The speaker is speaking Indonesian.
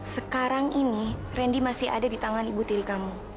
sekarang ini randy masih ada di tangan ibu tiri kamu